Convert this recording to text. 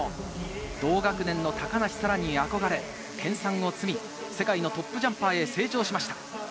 同学年の高梨沙羅に憧れ、研さんをつみ、世界のトップジャンパーに成長しました。